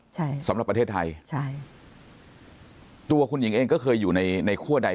ใช่สำหรับประเทศไทยใช่ตัวคุณหญิงเองก็เคยอยู่ในในคั่วใด